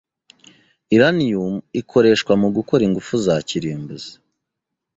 Uranium ikoreshwa mugukora ingufu za kirimbuzi.